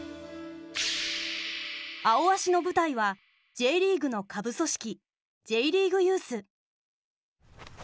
「アオアシ」の舞台はＪリーグの下部組織Ｊリーグユース。